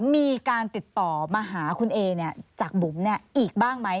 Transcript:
มีการติดต่อมาหาคุณเอเนี่ยจากบุ๋มเนี่ยอีกบ้างไหม